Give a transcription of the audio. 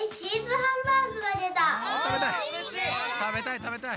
たべたい！